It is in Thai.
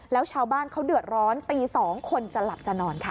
แล้วชาวบ้านเขาเดือดร้อนตี๒คนจะหลับจะนอนค่ะ